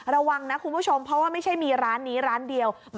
ระวังนะคุณผู้ชมเพราะว่าไม่ใช่มีร้านนี้ร้านเดียว